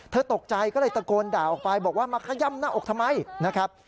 ตกใจก็เลยตะโกนด่าออกไปบอกว่ามาขย่ำหน้าอกทำไมนะครับ